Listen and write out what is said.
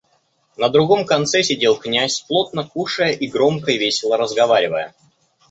На другом конце сидел князь, плотно кушая и громко и весело разговаривая.